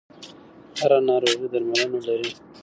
هره ناروغي درملنه لري.